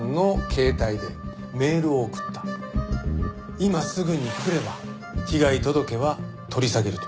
今すぐに来れば被害届は取り下げると。